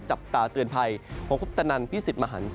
จับตาเตือนภัยผมคุปตนันพี่สิทธิ์มหันฯ